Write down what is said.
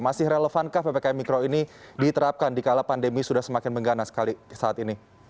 masih relevankah ppkm mikro ini diterapkan di kala pandemi sudah semakin mengganas saat ini